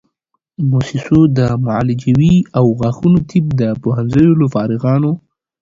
موسسو د معالجوي او غاښونو طب د پوهنځیو له فارغانو